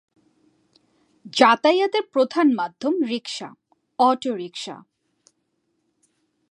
যাতায়াতের প্রধান মাধ্যম রিক্সা, অটোরিক্সা।